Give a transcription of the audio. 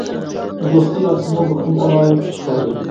دوستى ياسىنمۇ بۇ قېتىم ئالاھىدە كۈچ چىقاردى.